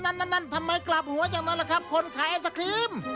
นั่นนั่นทำไมกลับหัวอย่างนั้นล่ะครับคนขายไอศครีม